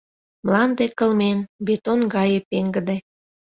Мланде кылмен, бетон гае пеҥгыде.